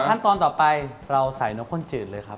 ขั้นตอนต่อไปเราใส่นกข้นจืดเลยครับ